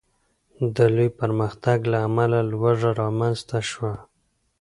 د لوی پرمختګ له امله لوږه رامنځته شوه.